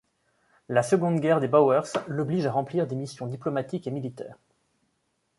La Seconde Guerre des Boers l'oblige à remplir des missions diplomatiques et militaires.